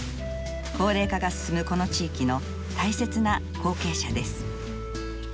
高齢化が進むこの地域の大切な後継者です。